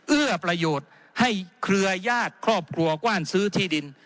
เอื้อประโยชน์ให้เครือญาติครอบครัวกว้านซื้อที่ดิน